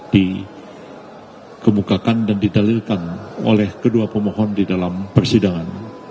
dikemukakan dan didalilkan oleh kedua pemohon di dalam persidangan